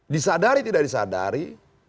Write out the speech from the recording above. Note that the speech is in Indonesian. disadari tidak disadari